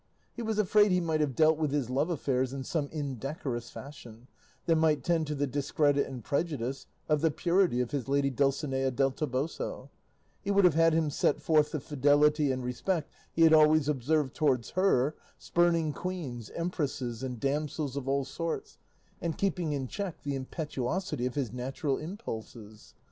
He was afraid he might have dealt with his love affairs in some indecorous fashion, that might tend to the discredit and prejudice of the purity of his lady Dulcinea del Toboso; he would have had him set forth the fidelity and respect he had always observed towards her, spurning queens, empresses, and damsels of all sorts, and keeping in check the impetuosity of his natural impulses.